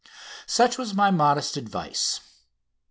Such was my modest advice.